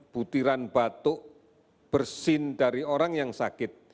butiran batuk bersin dari orang yang sakit